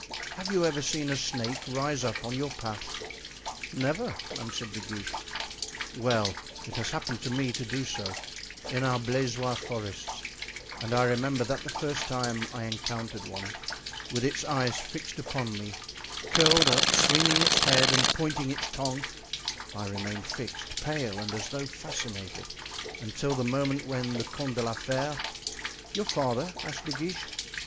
Have you ever seen a snake rise up on your path?" "Never," answered De Guiche. "Well, it has happened to me to do so in our Blaisois forests, and I remember that the first time I encountered one with its eyes fixed upon me, curled up, swinging its head and pointing its tongue, I remained fixed, pale and as though fascinated, until the moment when the Comte de la Fere——" "Your father?" asked De Guiche.